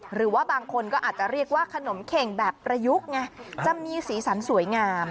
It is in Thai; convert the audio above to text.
หรือว่าบางคนก็อาจจะเรียกว่าขนมเข่งแบบประยุกต์ไงจะมีสีสันสวยงาม